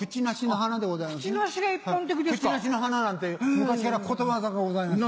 クチナシの花なんて昔からことわざがございます。